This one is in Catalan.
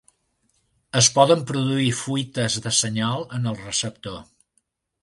Es poden produir fuites de senyal en el receptor.